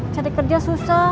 cari kerja susah